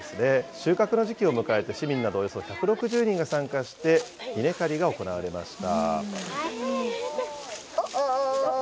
収穫の時期を迎えて、市民などおよそ１６０人が参加して、稲刈りが行われました。